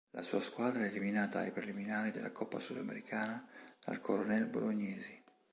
La sua squadra è eliminata ai preliminari della Coppa Sudamericana dal Coronel Bolognesi.